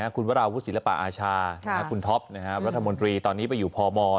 คุณวราวุศิลปะอาชาคุณท็อปรัฐมนตรีตอนนี้ไปอยู่พม